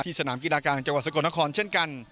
สนามกีฬากลางจังหวัดสกลนครเช่นกัน